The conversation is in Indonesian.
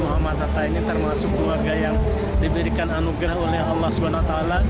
muhammad hatta ini termasuk keluarga yang diberikan anugerah oleh allah swt